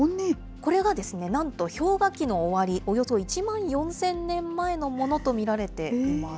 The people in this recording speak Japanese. これはなんと氷河期の終わり、およそ１万４０００年前のものと見られています。